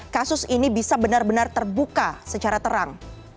kasus ini bisa benar benar terbuka secara terang